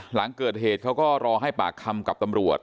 หลังเกิดเหตุเขาก็รอให้ปากคำกับตำรวจ